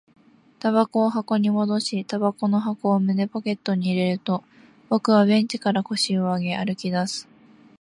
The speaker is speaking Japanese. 煙草を箱に戻し、煙草の箱を胸ポケットに入れると、僕はベンチから腰を上げ、歩き出す